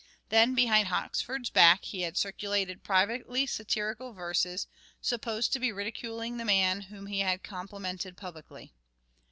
Then behind Oxford's back he had circulated privately satirical verses, supposed to be ridiculing the man whom he had complimented publicly.